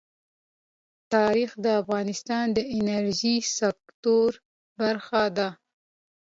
تاریخ د افغانستان د انرژۍ سکتور برخه ده.